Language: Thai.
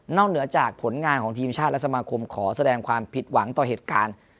เหนือจากผลงานของทีมชาติและสมาคมขอแสดงความผิดหวังต่อเหตุการณ์